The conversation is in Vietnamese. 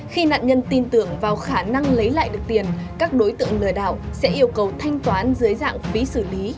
khi nạn nhân tin tưởng vào khả năng lấy lại được tiền các đối tượng lừa đảo sẽ yêu cầu thanh toán dưới dạng phí xử lý